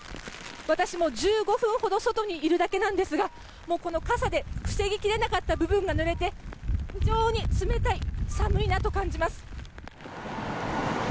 私も１５分ほど外にいるだけなんですがこの傘で防ぎきれなかった部分が濡れて非常に冷たい寒いなと感じます。